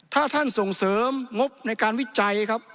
ถ้าท่านส่งเสริมงบในการวิจัยครับ